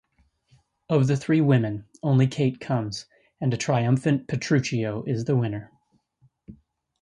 Of the three women, only Kate comes, and a triumphant Petruchio is the winner.